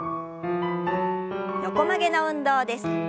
横曲げの運動です。